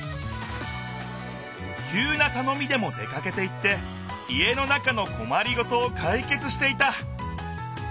きゅうなたのみでも出かけていって家の中のこまりごとをかいけつしていた。